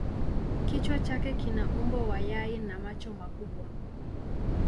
Kichwa chake kina umbo wa yai na macho makubwa.